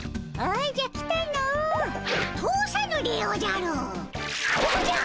おじゃ！